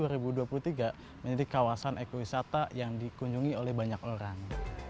menjadi kawasan ekowisata yang dikunjungi oleh banyak orang